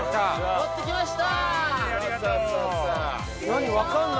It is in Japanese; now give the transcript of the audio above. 持ってきました！